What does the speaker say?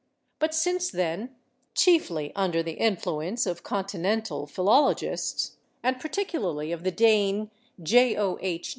But since then, chiefly under the influence of Continental philologists, and particularly of the Dane, J. O. H.